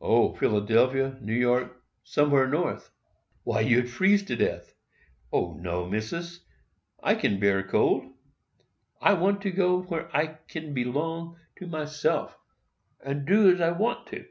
"O! Philadelphia—New York—somewhere North." "Why, you'd freeze to death." "O, no, Missis! I can bear cold. I want to go where I can belong to myself, and do as I want to."